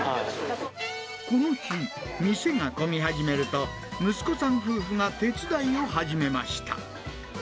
この日、店が混み始めると、息子さん夫婦が手伝いを始めました。